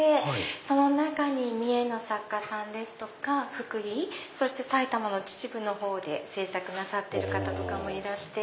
その中に三重の作家さんですとかそして埼玉の秩父の方で制作なさってる方とかもいらして。